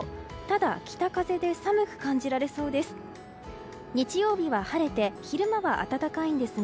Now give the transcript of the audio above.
ただ、北風で寒く感じられそうです。